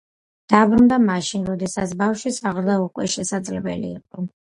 დაბრუნდა მაშინ, როდესაც ბავშვის აღზრდა უკვე შესაძლებელი იყო.